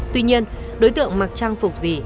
tuy nhiên đối tượng mặc trang phục gì